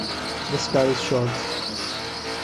The scar is short.